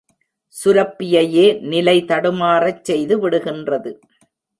சுரப்பியையே நிலை தடுமாறச் செய்து விடுகின்றது.